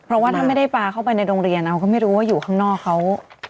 เพราะว่าถ้าไม่ได้ปลาเข้าไปในโรงเรียนเราก็ไม่รู้ว่าอยู่ข้างนอกเขา